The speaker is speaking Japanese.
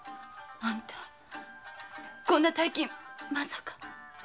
あんたこんな大金まさか？